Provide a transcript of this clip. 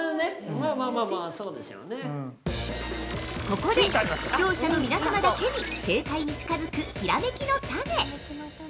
◆ここで、視聴者の皆様だけに正解に近づくひらめきのタネ！